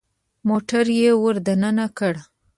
موټر يې ور دننه کړ.